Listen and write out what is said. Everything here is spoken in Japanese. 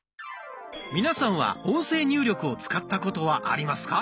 皆さんは「音声入力」を使ったことはありますか？